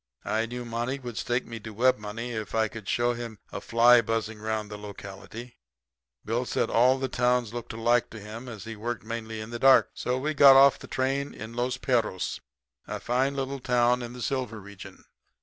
I knew Monty would stake me to web money if I could show him a fly buzzing 'round the locality. Bill Bassett said all towns looked alike to him as he worked mainly in the dark. So we got off the train in Los Perros, a fine little town in the silver region.